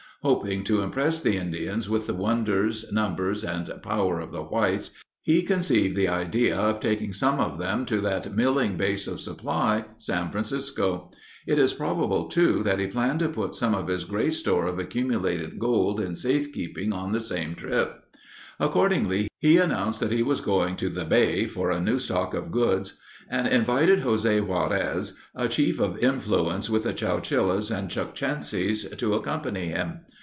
Hoping to impress the Indians with the wonders, numbers, and power of the whites, he conceived the idea of taking some of them to that milling base of supply, San Francisco. It is probable, too, that he planned to put some of his great store of accumulated gold in safekeeping on the same trip. Accordingly, he announced that he was going to "the Bay" for a new stock of goods and invited José Juarez, a chief of influence with the Chowchillas and Chukchansies, to accompany him.